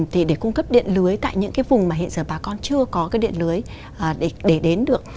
thì để cung cấp điện lưới tại những cái vùng mà hiện giờ bà con chưa có cái điện lưới để đến được